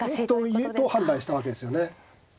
と言えると判断したわけですよね。